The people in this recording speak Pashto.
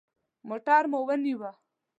موټر مو ونیوه.